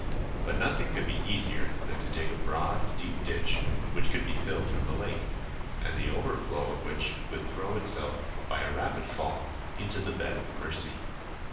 But nothing could be easier than to dig a broad deep ditch, which could be filled from the lake, and the overflow of which would throw itself by a rapid fall into the bed of the Mercy.